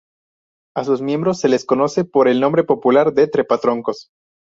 A sus miembros se les conoce por el nombre popular de trepatroncos.